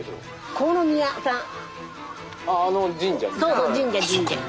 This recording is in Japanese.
そうそう神社神社。